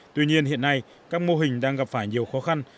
tuy nhiên hiện nay các mô hình đang gặp phải nhiều khó khăn